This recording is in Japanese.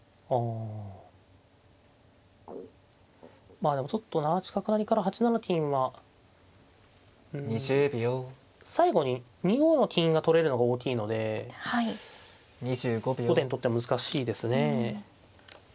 まあでもちょっと７八角成から８七金はうん最後に２五の金が取れるのが大きいので後手にとっては難しいですね。